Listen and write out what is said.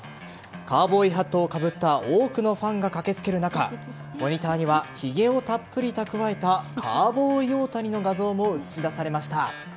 カウボーイハットをかぶった多くのファンが駆けつける中モニターにはひげをたっぷり蓄えたカウボーイ大谷の画像も映し出されました。